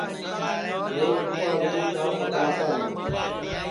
روہیت سپا اجری چاں پکاوتا ہے